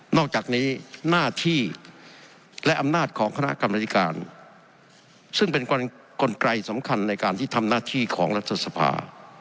อกจากนี้หน้าที่และอำนาจของคณะกรรมนาฬิการซึ่งเป็นกลไกสำคัญในการที่ทำหน้าที่ของรัฐสภา